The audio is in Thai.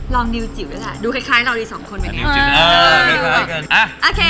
ลองนิวจิ๋วด้วยล่ะดูคล้ายเราดีสองคน